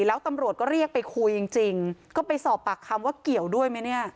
แล้วตำรวจก็เรียกไปคุยจริงจริงก็ไปสอบปากคำว่าเกี่ยวด้วยไหมเนี่ย